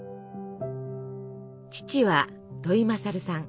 父は土井勝さん。